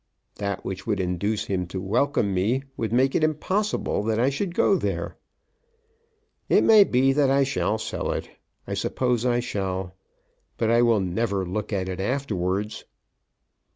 That which would induce him to welcome me would make it impossible that I should go there. It may be that I shall sell it. I suppose I shall. But I will never look at it afterwards."